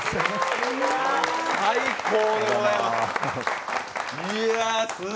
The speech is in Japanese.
最高でございます。